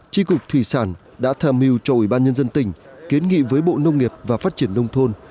tri cục thủy sản đã tham mưu cho ủy ban nhân dân tỉnh kiến nghị với bộ nông nghiệp và phát triển đông thôn